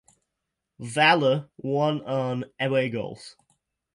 Valur won on away goals.